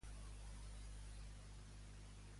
Per què Llívia no va ser francesa, finalment?